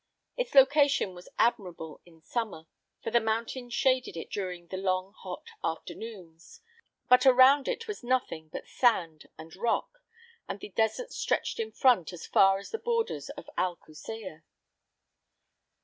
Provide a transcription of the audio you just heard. Its location was admirable in summer, for the mountain shaded it during the long hot afternoons; but around it was nothing but sand and rock, and the desert stretched in front as far as the borders of Al Kusiyeh.